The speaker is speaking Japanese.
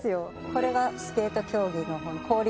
これがスケート競技の氷の。